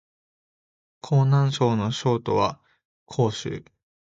河南省の省都は鄭州